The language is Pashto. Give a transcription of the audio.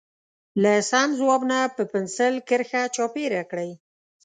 له سم ځواب نه په پنسل کرښه چاپېره کړئ.